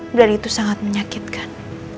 biar itu sangat menyakitkan